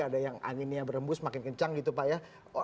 ada yang anginnya berembus makin kencang gitu pak ya